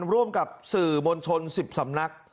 ร่วมกับสื่อมวลชน๑๐สำนัก